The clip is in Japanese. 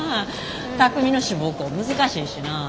巧海の志望校難しいしなあ。